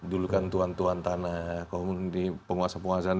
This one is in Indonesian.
dulu kan tuan tuan tanah komunitas penguasa penguasaan